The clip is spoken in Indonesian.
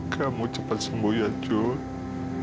kamu cepat sembuh ya joh